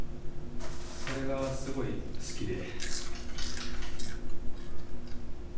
それがすごい好きで。